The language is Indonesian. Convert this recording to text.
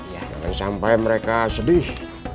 jangan sampai mereka sedih